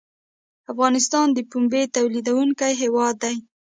افغانستان د پنبې تولیدونکی هیواد دی